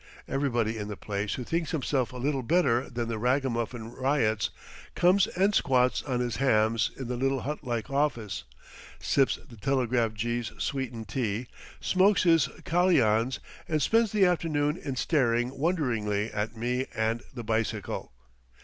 Everybody in the place who thinks himself a little better than the ragamuffin ryots comes and squats on his hams in the little hut like office, sips the telegraph jee's sweetened tea, smokes his kalians, and spends the afternoon in staring wonderingly at me and the bicycle.